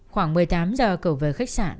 khoảng một mươi tám h cầu về khách sạn